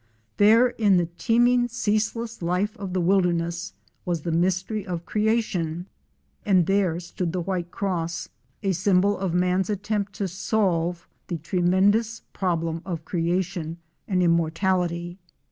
There in the teem ing ceaseless life of the wilderness was the mystery of creation: and there stood the white cross, a symbol of man's attempt to solve the tremendous problem of creation and immortality.